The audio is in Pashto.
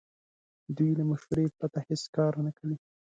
دوی له مشورې پرته هیڅ کار نه کوي.